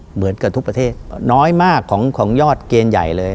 เหมือนกับทุกประเทศน้อยมากของยอดเกณฑ์ใหญ่เลย